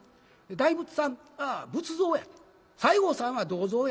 大仏さんは仏像や西郷さんは銅像や。